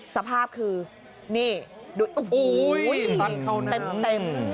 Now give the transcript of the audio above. สภาพคือนี่โอ้โหตั๊กเข้าน้ำ